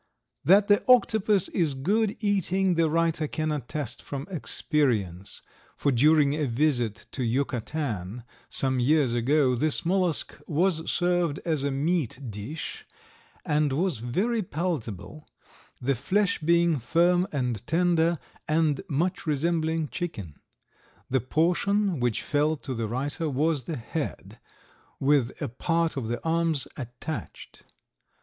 That the octopus is good eating the writer can attest from experience, for during a visit to Yucatan some years ago this mollusk was served as a meat dish and was very palatable, the flesh being firm and tender and much resembling chicken. The portion which fell to the writer was the head, with a part of the arms attached.